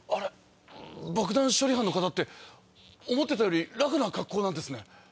爆弾処理班の方って思ってたよりラフな格好なんですね。